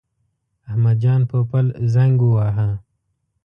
احمد جان پوپل زنګ وواهه.